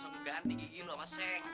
seng udah bersalin sama orang